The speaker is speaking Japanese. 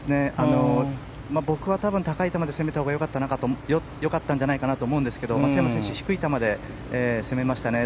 僕は多分、高い球で攻めたほうが良かったんじゃないかと思うんですけど松山選手、低い球で攻めましたね。